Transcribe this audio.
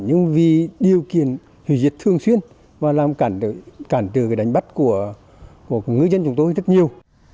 nhưng vì điều kiện hủy diệt thường xuyên và làm cản trở cái đánh bắt của ngư dân chúng tôi rất nhiều